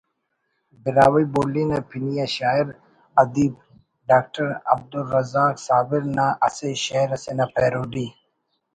براہوئی بولی نا پنی آ شاعر ادیب ڈاکٹر عبدالرزاق صابر نا اسہ شئیر اسینا پیروڈی